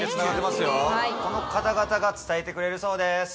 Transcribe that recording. この方々が伝えてくれるそうです